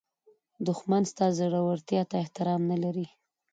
دښمن ستا زړورتیا ته احترام نه لري